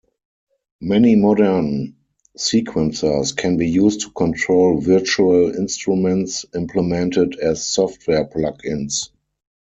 Many modern sequencers can be used to control virtual instruments implemented as software plug-ins.